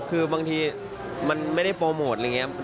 คือบางทีมันไม่ได้โปรโมทอะไรอย่างนี้